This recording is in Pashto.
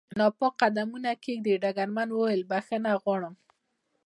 ناپاک قدمونه کېږدي، ډګرمن وویل: بخښنه غواړم.